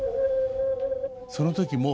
その時も。